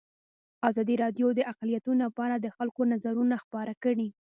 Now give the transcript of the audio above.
ازادي راډیو د اقلیتونه په اړه د خلکو نظرونه خپاره کړي.